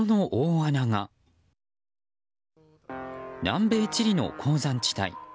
南米チリの鉱山地帯。